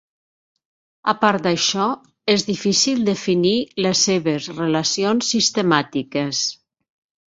A part d'això, és difícil definir les seves relacions sistemàtiques.